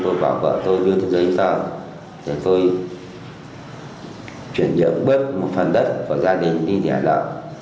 tôi bảo vợ tôi đưa giấy sở để tôi chuyển dựng bớt một phần đất của gia đình đi giải lợi